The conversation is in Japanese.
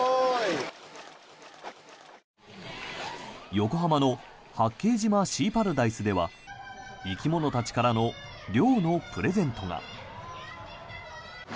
横浜の八景島シーパラダイスでは生き物たちからの涼のプレゼントが。